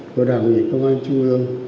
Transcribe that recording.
của đảng ủy công an trung ương